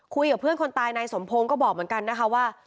คุยกับเพื่อนคนตายนายสมพงศ์ก็บอกเหมือนกันนะคะว่า